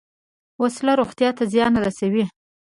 وسله روغتیا ته زیان رسوي